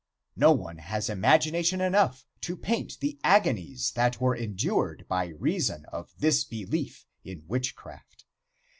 No one has imagination enough to paint the agonies that were endured by reason of this belief in witchcraft.